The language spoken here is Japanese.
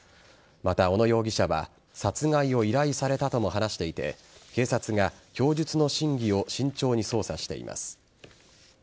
また、小野容疑者は殺害を依頼されたとも話していて警察が供述の真偽を慎重に捜査しています。